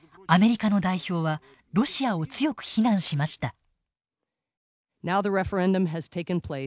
アメリカの代表はロシアを強く非難しました。